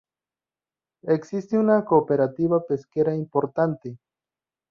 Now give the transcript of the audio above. Existe una cooperativa pesquera importante.